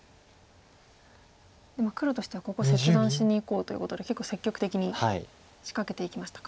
黒としてはここ切断しにいこうということで結構積極的に仕掛けていきましたか。